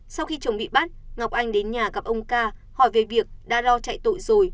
sau khi chồng bị bắt ngọc anh đến nhà gặp ông ca hỏi về việc đã đo chạy tội rồi